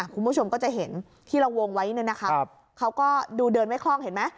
คุณผู้ชมก็จะเห็นที่เราวงไว้เนี่ยนะคะเขาก็ดูเดินไม่คล่องเห็นไหม